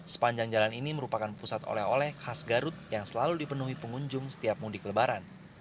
sepanjang jalan ini merupakan pusat oleh oleh khas garut yang selalu dipenuhi pengunjung setiap mudik lebaran